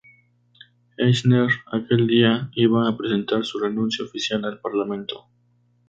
Eisner, aquel día, iba a presentar su renuncia oficial al parlamento.